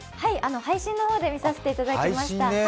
配信の方で見させていただきました。